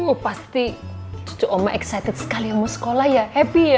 aduh pasti cucu om excited sekali mau sekolah ya happy ya